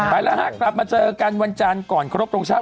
ไปล่ะค่ะกลับมาเจอกันวันจานก่อนครบตรงเช้า